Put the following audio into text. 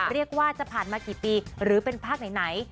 เรียกว่าจะผ่านมากี่ปีหรือเป็นภาคไหน